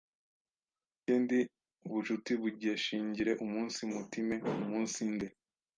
Kendi ubucuti bugeshingire umunsi mutime uumunsinde